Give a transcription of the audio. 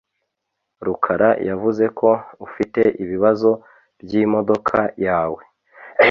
Rukara yavuze ko ufite ibibazo byimodoka yawe.